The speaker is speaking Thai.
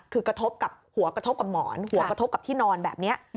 คือกระทบกับหัวกระทบกับหมอนหัวกระทบกับที่นอนแบบนี้